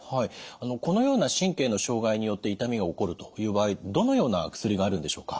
このような神経の障害によって痛みが起こるという場合どのような薬があるんでしょうか？